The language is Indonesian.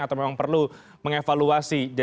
atau memang perlu mengevaluasi